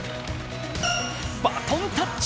バトンタッチ。